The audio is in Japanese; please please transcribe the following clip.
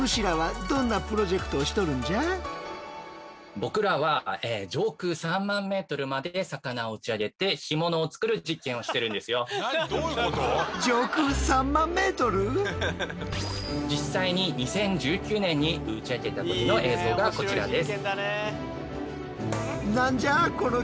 僕らは実際に２０１９年に打ち上げた時の映像がこちらです。